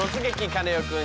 カネオくん」。